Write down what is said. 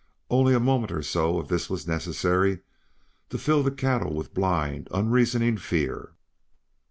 Only a moment or so of this was necessary to fill the cattle with blind, unreasoning fear.